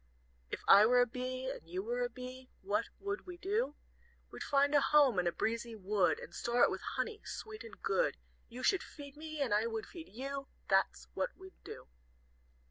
"If I were a bee And you were a bee, What would we do? We'd find a home in a breezy wood, And store it with honey sweet and good. You should feed me and I would feed you, That's what we'd do!